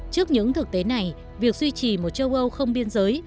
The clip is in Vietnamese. trước những thực tế này việc duy trì một châu âu không biên giới